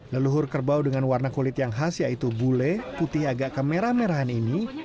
leluhur kerbau dengan warna kulit yang khas yaitu bule putih agak kemerah merahan ini